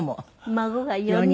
孫が４人。